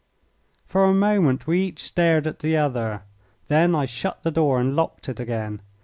For a moment we each stared at the other. Then I shut the door and locked it again.